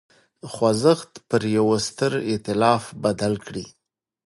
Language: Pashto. خوځښت پر یوه ستر اېتلاف بدل کړي.